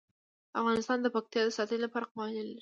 افغانستان د پکتیا د ساتنې لپاره قوانین لري.